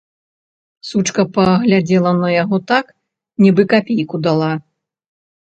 Сучка паглядзела на яго так, нібы капейку дала.